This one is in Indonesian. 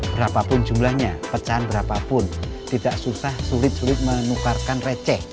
berapapun jumlahnya pecahan berapapun tidak susah sulit sulit menukarkan receh